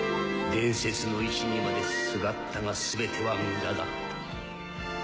伝説の石にまですがったが全ては無駄だった。